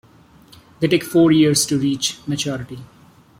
They take four years to reach maturity.